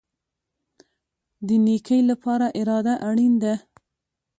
د نیکۍ لپاره اراده اړین ده